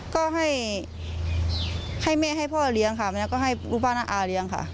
ก็ให้แม่ให้พ่อเลี้ยงค่ะแล้วก็ให้รูปป้าน้าอาเลี้ยงค่ะ